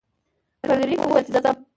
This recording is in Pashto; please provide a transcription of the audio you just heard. فلیریک وویل چې زه ځم.